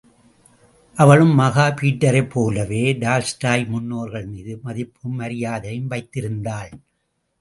அவளும் மகா பீட்டரைப் போலவே, டால்ஸ்டாய் முன்னோர்கள் மீது மதிப்பும் மரியாதையும் வைத்திருந்தாள்.